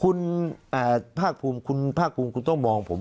คุณภาคภูมิคุณภาคภูมิคุณต้องมองผม